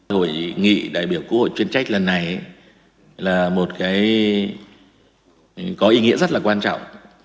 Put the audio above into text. hội nghị đại biểu quốc hội chuyên trách lần này là một cái có ý nghĩa rất là quan trọng